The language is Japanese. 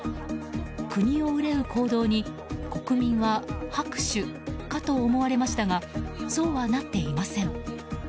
国を憂う行動に国民は拍手かと思われましたがそうはなっていません。